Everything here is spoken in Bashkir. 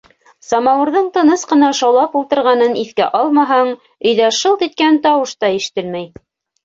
Самауырҙың тыныс ҡына шаулап ултырғанын иҫкә алмаһаң, өйҙә шылт иткән тауыш та ишетелмәй.